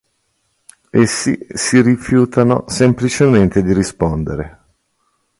Essi si rifiutano semplicemente di rispondere.